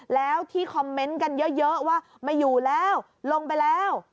แล้วที่คอมเมนต์กันเยอะว่าไม่อยู่แล้วลงไปแล้ว